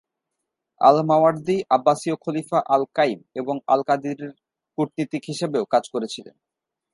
আল-মাওয়ার্দী আব্বাসীয় খলিফা আল-কাইম এবং আল-কাদিরের কূটনীতিক হিসেবেও কাজ করেছিলেন।